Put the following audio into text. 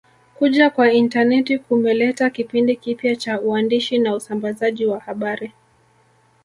Kuja kwa intaneti kumeleta kipindi kipya cha uandishi na usambazaji wa habari